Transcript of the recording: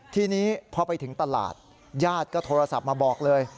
ทีนี้พอไปถึงตลาดญาติก็โทรศัพท์มาบอกเลย